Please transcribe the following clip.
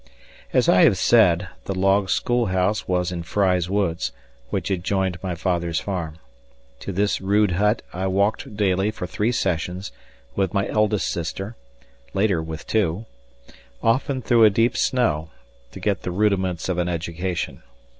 As I have said, the log schoolhouse was in Fry's Woods, which adjoined my father's farm. To this rude hut I walked daily for three sessions, with my eldest sister later with two often through a deep snow, to get the rudiments of an education.